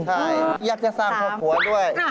ใช่อยากจะสร้างครอบครัวด้วย